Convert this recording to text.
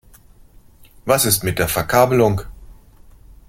Was ist mit der Verkabelung?